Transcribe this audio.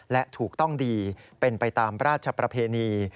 และถูกต้องดีเป็นไปตามราชประเพณี